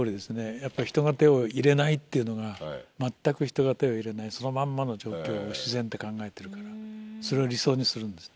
やっぱ人が手を入れないっていうのが全く人が手を入れないそのまんまの状況を自然って考えてるからそれを理想にするんですね。